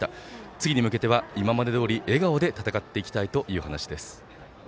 次に向けては今までどおり笑顔で戦っていきたいという話です。